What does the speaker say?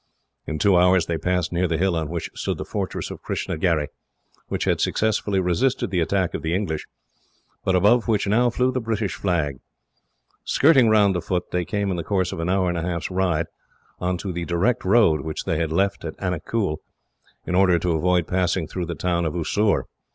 In two hours they passed near the hill on which stood the fortress of Kistnagherry, which had successfully resisted the attack of the English, but above which now flew the British flag. Skirting round the foot, they came, in the course of an hour and a half's ride, on to the direct road which they had left at Anicull, in order to avoid passing through the town of Oussoor.